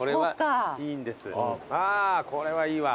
わあこれはいいわ。